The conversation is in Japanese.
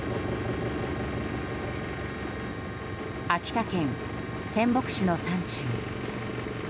秋田県仙北市の山中。